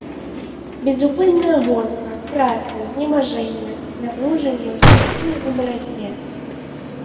Безупынная гонка, праца, знемажэнне, напружанне ўсіх сіл у барацьбе.